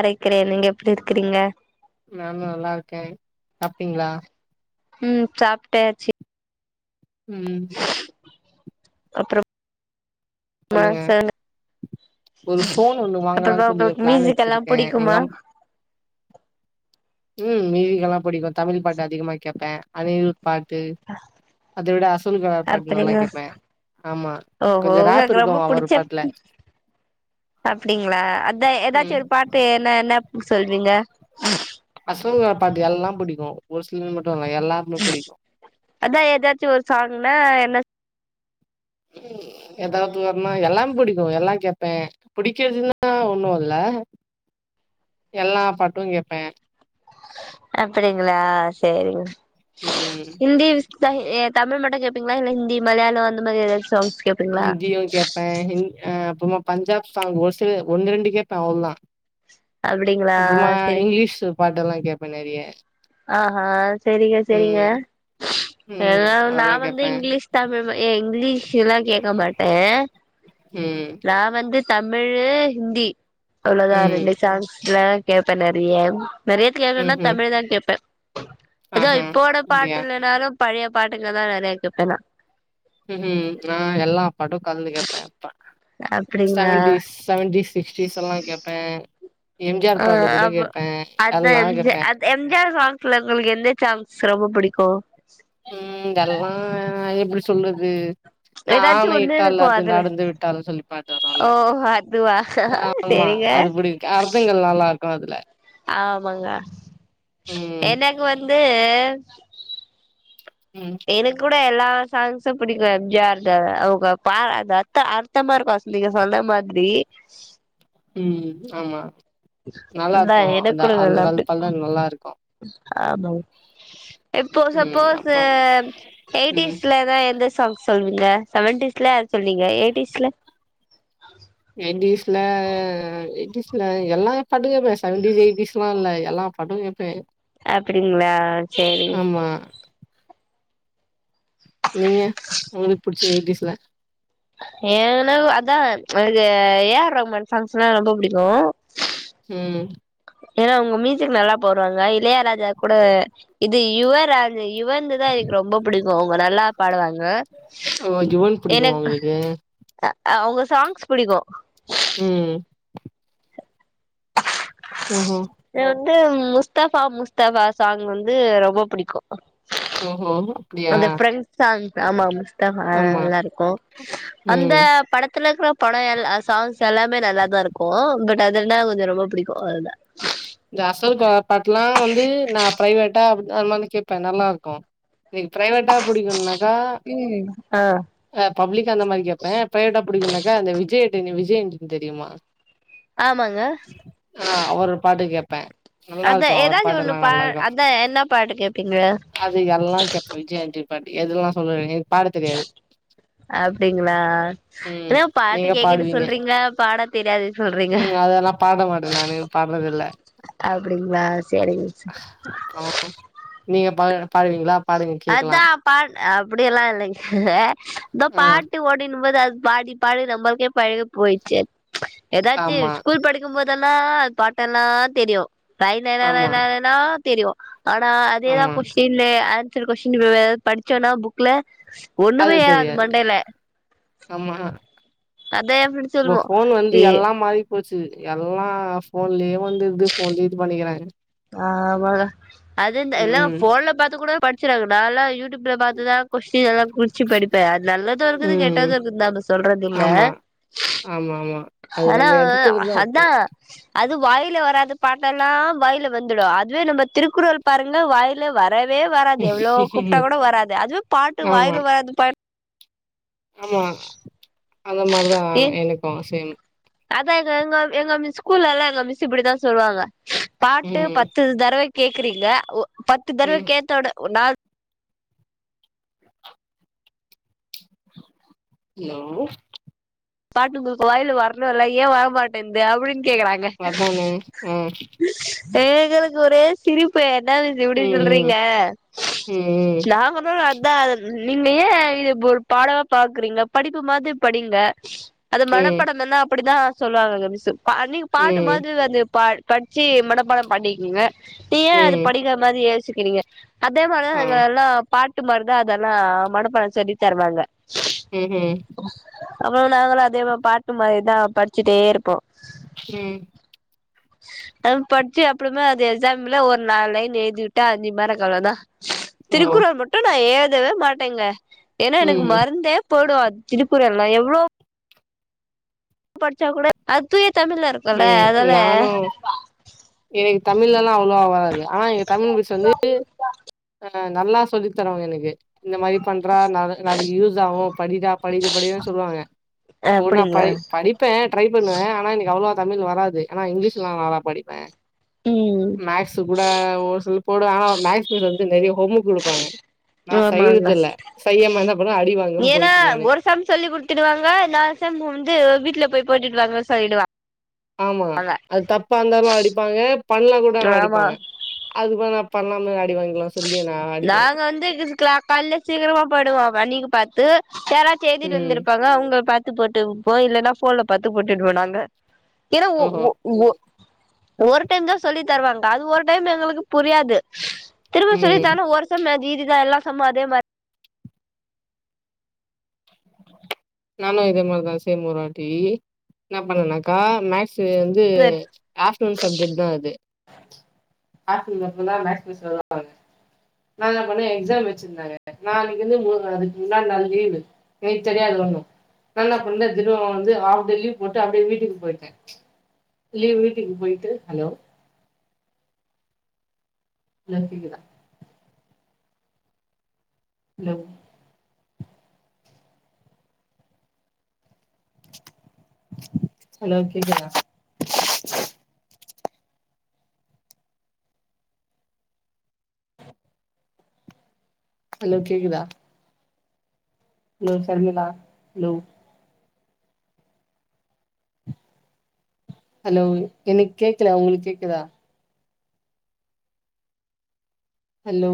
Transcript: அழைக்கிறேன் நீங்க எப்புடி இருக்கிறீங்க நானு நல்லாருக்கே சாப்ட்டீங்ளா ம் சாப்ட்டாச்சு ம் அப்றோ சொல்லுங்க மாஸ் ஆனா ஒரு ஃபோன் ஒண்ணு வாங்கலான்னு அப்புறமா சொல்லி ஒரு உங்களுக்கு பிளான் மியூசிக் எல்லா வச்சிருக்கே எங்க பிடிக்குமா அம் ம் மியூசிக் எல்லா பிடிக்கு தமிழ் பாட்டு அதிகமா கேட்பே அனிருத் பாட்டு அத விட அசல்கோலார் பாட்டு நல்லா அப்டிங்களா கேப்பே ஆமா ஓஹோ கொஞ்சோ ராப் இருக்கு அவரு பாட்டுல அப்படிங்களா அத ஏதாச்சு ம் ஒரு பாட்டு என்ன என்ன சொல்வீங்க அசல் நா பாட்டு எல்லாம் புடிக்கு ஒரு சிலத் மட்டும் இல்ல எல்லாருமே புடிக்கு அதா ஏதாச்சு ஒரு சாங்னா என்ன ஏதாவது வரனா எல்லா புடிக்கு எல்லாம் கேப்பே புடிக்கிறதுன்னா ஒன்னுல்ல எல்லா பாட்டு கேப்பே அப்படிங்ளா சேரிங் ம் ஹிந்தி [unintelligible] தமிழ் மட்டும் கேப்பீங்ளா இல்ல ஹிந்தி மலையாளோ அந்த மாதிரி எதாச்சு சாங்ஸ் கேப் ஹிந்தியு கேப்பே ஹிந் அ அப்புமா பஞ்சாப் சாங் ஒரு சில ஒன்னு ரெண்டு கேப்பே அவ்ளதா அப்டிங்களா அப்புறமா சேரி இங்கிலீஷ் பாட்டெல்லா கேப்பே நெறய ஆஹா செரிங்க செரிங்க ம் எல்ல நா அதெல்லா வந்து கேப்பே இங்கிலீஷ் தமிழ் இங்கிலீஷ் எல்லா கேக்க மாட்டே ம் நா வந்து தமிழு ஹிந்தி அவ்ளோதா ம் ரெண்டு சாங்ஸ்லா கேப்பே நெறைய நெறைய கேப்பேனா ம்ஹூம் தமிழ்ல தா கேப்ப அதா ஆஹா இப்போட அப்டியா பாட்டுல்லனாலு பழைய பாட்டுங்க தா நெறைய கேப்பேனா ம்ம் நா எல்லா பாட்டு கலந்து கேப்பே அப்ப அப்டிங்களா செவன்டீஸ் செவன்டீஸ் சிக்ஸ்டீஸல்லா கேப்பே எம் ஜி ஆர் ஆ பாட்டு கூட அப்ப கேப்பே அதா எல்லா எம் ஜி கேப்பே அது எம் ஜி ஆர் சாங்ஸ்ல உங்களுக்கு எந்த சாங்ஸ் ரொம்ப புடிக்கு ம் இதல்லா எப்டி சொல்லற்து நா ஏதாச்சு ஒண்ணு ஆணையிட்டால் இருக்கு அது அதுல நடந்து விட்டால்னு சொல்லி பாட்டு ஓ வரோல்ல அதுவா ஆமா செரிங்க அது புடிக் அர்த்தங்கள் நல்லாருக்கு அதுல ஆமாங்க ம் எனக்கு வந்து ம் எனக் கூட எல்லா சாங்ஸு புடிக்கு எம் ஜி ஆர் து அவுங்க ப அந்த அர்த்த அர்த்தமாருக்கு நீங்க சொன்ன மாதிரி ம் ஆமா ந்த நல்லாருக்கு. அந்த எனக்கூடோ அந்த நல்லா காலத்து புடிக்கு பல்ல நல்லாருக்கு. ஆமாங் இப்போ ம் சப்போஸ்ஸூ அப்புறம் ம் எயிட்டிஸ்ல எந்த சாங் சொல்வீங்க செவன்டீஸ்ல அத சொல்வீங்க எயிட்டிஸ்ல நைன்டீஸ்ல எய்ட்டீஸ்ல எல்லா பாட்டு கேப்பே செவெண்டிஸ் எய்ட்டீஸ்லால்ல எல்லா பாட்டுங்கேப்பே அப்பிடிங்ளா சேரிங்க நீங்க உங்களுக் புடிச்சது எய்டீஸ்ல ஏனகு அதா அ ஏ ஆர் ரஹ்மான் சாங்ஸ்னா ரொம்ப புடிக்கு ம் ஏனா அவுங்க மியூசிக் நல்லா போற்றாங்க இளைய ராஜா கூட இது யுவராஜு யுவன்து தா எனக்கு ரொம்ப புடிக்கு அவுங்க நல்லா பாடுவாங்க ஓ! யுவன் புடிக்குமா எனக் உங்களுக்கு? அ அவுங்க சாங்ஸ் புடிக்கு ம் ம்ஹ்ம் வந்து முஸ்தஃபா முஸ்தஃபா சாங் வந்து ரொம்ப புடிக்கு ஓஹோ அப்டியா சாங்ஸ் ஆமா முஸ்தஃபா ஆமா. நல்லா இருக்கு அந்த ம். படத்துல இக்கறப் பட எல்லா சாங்ஸ் எல்லாமே நல்லாதாருக்கு பட் அதுனா கொஞ்ச ரொம்ப புடிக்கு அதுதா இந்த அசோகா பாட்லா வந்து நா பிரைவேட்டா அப் அந்த மாரி கேப்பே நல்லாருக்கு இன்னைக் பிரைவேட்டா புடிக்குனாக்கா ம் ஆ அ பப்ளிக் அந்த மாரி கேப்பே ப்ரைவேட்டா புடிக்குனாக்கா அந்த விஜய் ஆண்டனி விஜய்ஆண்டனி தெரியுமா ஆமாங்க ஆ அவரு பாட்டு கேப்ப அதா ஏதாச்சி ஒண்ணு பா அதா என்ன பாட்டு கேப்பீங்க அது எல்லா கேப்ப விஜய் ஆண்டனி பாட்டு எதுவேணா சொல்ல எனக்கு பாட தெரியாது அப்டீங்களா ம் இப்பதா பாட்டு நீங்க கேக்குறது பாடுவீங்க சொல்றீங்க பாட தெரியாது சொல்றீங்க பாடமாட்ட நானு பாட்ற அப்டிங்ளா செரிங்க ச அப்றோ நீங்க பா பாடுவீங்ளா அதா பாட் அப்டியெல்லா இல்லங்க இந்த ஆ பாட்டு ஓடினு போது அது பாடி பாடி நம்மள்க்கே பழகி போய்ச்சு எதாச்சு ஆமா ஸ்கூல் படி க்கு போதெல்லா அது பாட்டல்லா தெரியு ரய் ன ன ஆமா ன னா தெரியு ஆனா அதேதா ஆமா கொஸ்டின்னு ஆன்சர் கொஸ்டின் எதா படிச்சோனா புக்ல அது ஒன்னுமே ஏறாது தெரியாது மண்டல ஆமா அதா எப்பிடி இப்ப சொல்வோ ஃபோன் வந்து ஏ எல்லா மாறி போச்சு எல்லா ஃபோன்லயே வந்துது ஃபோன்லயே இது பண்ணிக்கிறாங்க ஆமாடா அது இந்தெல்லா ம் ஃபோன்ல பாத்து கூட படிச்றாங்க நாலா யூடியூப் ல பா்த்துதா கொஸ்டின் எல்லா குருச்சு படிப்ப அது நல்லது இருக்குது ம் கெட்டது இருக்குது நானு சொல்றதில்ல ஆமா ஆமா மா ஹானா ஹத்தா அது வாயில வராத பாட்டெல்லா வாயில வந்துடு அதுவே நம்ம திருக்குறள் பாருங்க வாய் ல வரவே வராது எவ்ளோ கூப்ட்டா கூட வராது அதுவே பாட்டு ஆமா, வாயில வராத ஆமா அந்த மாரிதா ஏ எனக்கு ஆ சேம் அதா எங்க எங்க எங்க மிஸ் ஸ்கூல்லல்லா எங்க மிஸ் இப்டிதா சொல்வாங்க பாட்டு ம், பத்து தரவைக் கேக்குறீங்க பத்து தடவ ம். கேட்டோட ஒ நாள் ஹலோ பாட்டு உங்களுக்கு வாய்ல வரணுல்ல ஏன் வரமாட்டேந்து அப்டின் கேக்குறாங்க அதான அ சேகர்க்கொரே சிரிப் பு என்னா மிஸ் இப்டி ம், சொல்றீங்க ம், ஸ்லாஹமே வர அதா நீங்க ஏ இது ஒரு பாடவா பாக்குறீங்க படிப்பு மாரி படீங்க அது ம், ம், மனப்பாடந்தான அப்பிடிதா சொல்லுவாங்க மிஸ்ஸு நீங்க பாட்டு ம், மாதிரி வந்து பா பட்ச்சி மனப்பாட பண்ணிக்கங்க நீ ஏ அது ம், படிக்கறமாதி யோசிக்கிறீங்க அதே மாரிதா ஆ. அங்க எல்லா பாட்டு மாரிதா அதெல்லா மனப்பாட சொல்லி தருவாங்க ம்ஹீ ம் அப்பற நாங்களு அதே மாரி பாட்டு மாரி தா படிச்சுட்டே இருப்போ ம் தம் படிச்சு அப்பறமா அது எக்ஸாம்ல ஒரு நாலு லைன் எழுதிவிட்டா அஞ்சு மார்க் அவ்ளோதா ஓ! திருக்குறள் மட்டு நா ஏதவே மாட்டேங்க ஏன்னா எனக்கு ம், மறந்தே போய்டு அது திருக்குறள் மயவோ படிச்சா கூட அது தூய தமிழ்ல இருக்குல்ல ம். அதால நானும் எனக்கு தமிழ்லல்லா அவ்வளவா வராது ஆனா எங்க தமிழ் மிஸ் வந்து அ நல்லா சொல்லி தருவாங்க எனக்கு இந்த மாரி பண்றா நா நாளைக்கு யூஸ் ஆகு படிடா படிடா படின்னு சொல்லுவாங்க அப்போ நா ப அப்டிங்களா படிப்ப ட்ரை பண்ணுவ ஆனா எனக்கு அவ்வளவா தமிழ் வராது து ஆனா இங்கிலீஷ்ல்லா நல்லா படிப்ப ம் மேக்ஸ் கூட ஒரு சில போடுவ ஆனா மேக்ஸ் இதுல வந்து நெறய ஹோம் ஒர்க் குடுப்பாங்க நா ஆமாங்க செய்றதில்ல செய்யாம என்னபண்ணு அடிவாங்காம ஏன்னா போயிட்டு நானு ஒரு சம் சொல்லி் குடுத்துடுவாங்க நாலு சம் வந்து வீட்ல போய் போட்டுட்டுவாங்க சொல்லிடுவா ஆமா அது தப்பா இந்தாலு அடிப்பாங்க பண்லா கூடனா ஆமா அடிப்பாங்க அதுக்கு நா பண்ணாமலே அடி வாங்கிக்லா சொல்லி நா அடி வாங்கிப்பே இதுக்ல கல்லே சீக்கிரமா போய்டுவா அவ அன்னிக்கு பாத்து யாராச்சி எய்திட்டு ம் வந்திருப்பாங்க அவங்ள பாத் த்து போட்டுப்போ இல்லன்னா ஃபோன்ல பாத்து போட்டுட்வோ நாங்க ஏனா ஓஹோ ஒஒஒ ஒரு டைம் தா சொல்லி தருவாங்க அது ஒரு டைம் எங்களுக்கு புரியாது திரும்ப ம் சொல்லிதான்னா ஒரு சம் அது இதுதா எல்லா சம்மும் அதே மாரி நானு இதே மாரிதா சேம் ஒரு வாட்டி என்ன பண்ணனாக்கா மேக்ஸ் வந் து ஆஃப்டுனூன் சப்ஜெக்ட் தா அது ஆஃப்டுனுல்ல ஃபுல்லா மேக்ஸ் மிஸ் வருவாங்க நா என்னா பண்ணே எக்ஸாம் வச்சிருந்தாங்க நா அன்னைக்கினு [unintelligible] முன்னாடி நாள் லீவு எனக்கு தெரியாதுலோ நா என்ன பண்ணே திருப்பவு வந்து ஆஃப் டே லீவ் போட்டு அப்டியே வீட்டுக்கு போயிட்டே லீவ் வீட்டு போயிட்டு ஹலோ ஹலோ கேக்குதா ஹலோ ஹலோ கேக்குதா ஹலோ கேக்குதா ஹலோ சர்மிளா ஹலோ ஹலோ எனக கேக்கல உங்களுக்கு கேக்குதா ஹலோ